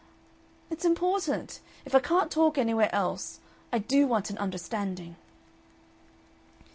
"It's important. If I can't talk anywhere else I DO want an understanding."